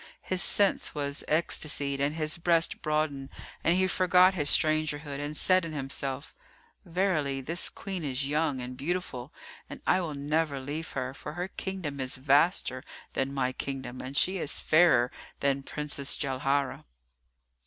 His sense was ecstasied and his breast broadened, and he forgot his strangerhood and said in himself, "Verily, this Queen is young and beautiful[FN#340] and I will never leave her; for her kingdom is vaster than my kingdom and she is fairer than Princess Jauharah."